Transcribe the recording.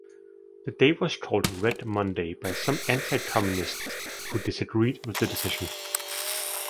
The day was called "Red Monday" by some anti-communists who disagreed with the decision.